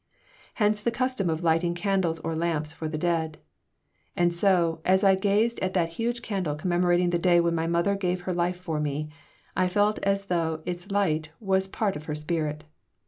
Hence the custom of lighting candles or lamps for the dead. And so, as I gazed at that huge candle commemorating the day when my mother gave her life for me, I felt as though its light was part of her spirit.